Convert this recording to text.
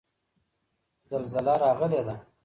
زلزله راغلې ده.